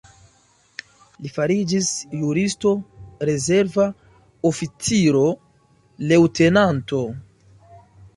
Li fariĝis juristo, rezerva oficiro, leŭtenanto.